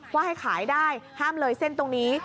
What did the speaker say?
ว่าให้ขายได้ห้ามเลยเส้นตรงนี้